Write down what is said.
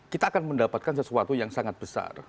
kita akan mendapatkan sesuatu yang sangat besar